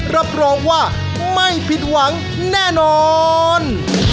รับรองว่าไม่ผิดหวังแน่นอน